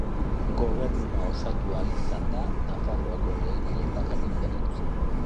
Gobernua osatu ahal izanda, Nafarroako lehen lehendakari bilakatu zen.